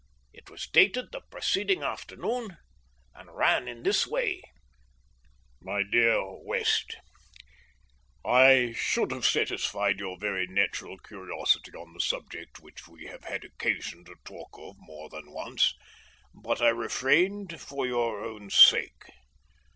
It was dated the preceding afternoon, and ran in this way: MY DEAR WEST, I should have satisfied your very natural curiosity on the subject which we have had occasion to talk of more than once, but I refrained for your own sake.